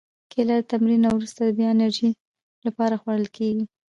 کېله د تمرین نه وروسته د بیا انرژي لپاره خوړل کېږي.